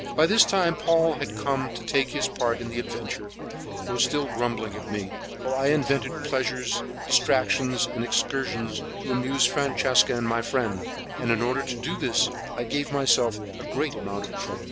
By this time Paul had come to take his part in the adventure, though still grumbling at me, while I invented pleasures, distractions and excursions to amuse Francesca and my friend; and in order to do this I gave myself a great amount of trouble.